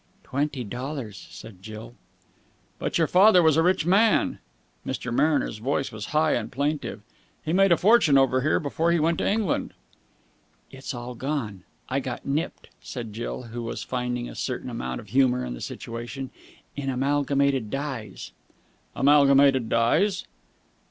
"Twenty dollars," said Jill. "But your father was a rich man." Mr. Mariner's voice was high and plaintive. "He made a fortune over here before he went to England." "It's all gone. I got nipped," said Jill, who was finding a certain amount of humour in the situation, "in Amalgamated Dyes." "Amalgamated Dyes?"